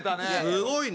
すごいね。